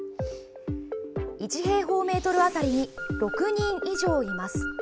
１平方メートル当たりに６人以上います。